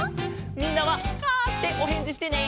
みんなは「カァ」っておへんじしてね！